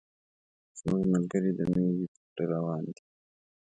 زموږ ملګري د مېږي په پله روان دي.